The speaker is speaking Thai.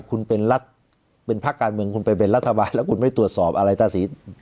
คุณเป็นรัฐเป็นพักการเมืองคุณไปเป็นรัฐบาลแล้วคุณไม่ตรวจสอบอะไรตาสี